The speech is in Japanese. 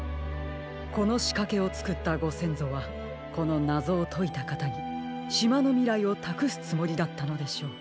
このしかけをつくったごせんぞはこのなぞをといたかたにしまのみらいをたくすつもりだったのでしょう。